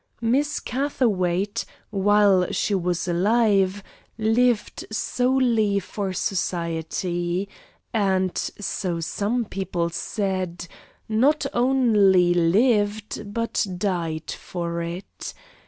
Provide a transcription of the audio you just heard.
Mrs. Catherwaight, while she was alive, lived solely for society, and, so some people said, not only lived but died for it.